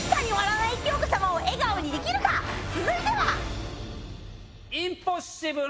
続いては。